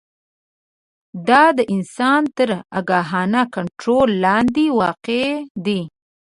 دا د انسان تر آګاهانه کنټرول لاندې واقع دي.